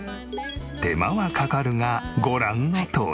手間はかかるがご覧のとおり。